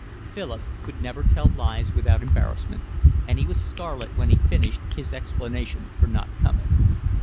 Philip could never tell lies without embarrassment, and he was scarlet when he finished his explanation for not coming.